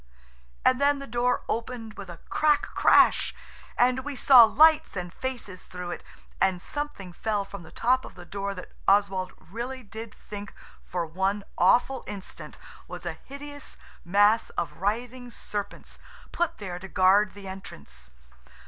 And then the door opened with a crack crash, and we saw lights and faces through it, and something fell from the top of the door that Oswald really did think for one awful instant was a hideous mass of writhing serpents put there to guard the entrance.